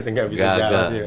nggak bisa jalan